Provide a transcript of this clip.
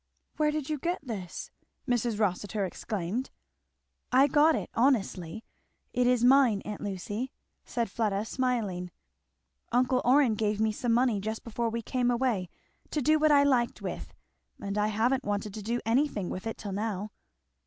"Where did you get this?" Mrs. Rossitur exclaimed. "I got it honestly. It is mine, aunt Lucy," said Fleda smiling. "Uncle Orrin gave me some money just before we came away, to do what I liked with; and I haven't wanted to do anything with it till now."